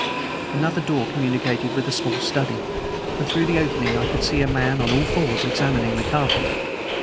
Another door communicated with a small study, and through the opening I could see a man on all fours examining the carpet.